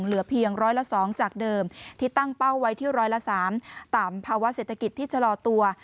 เหลือเพียงร้อยละ๒จากเดิมที่ตั้งเป้าไว้ที่ร้อยละ๓ตามภาวะเศรษฐกิจที่ชะลอตัว